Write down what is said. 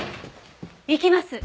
行きます！